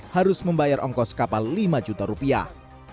harus membayar ongkos kapal lima juta rupiah